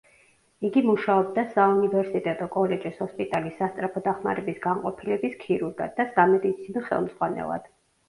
იგი მუშაობდა საუნივერსიტეტო კოლეჯის ჰოსპიტალის სასწრაფო დახმარების განყოფილების ქირურგად და სამედიცინო ხელმძღვანელად.